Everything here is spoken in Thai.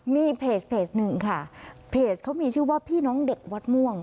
มีเพจหนึ่งค่ะเพจเขามีชื่อว่าพี่น้องเด็กวัดม่วง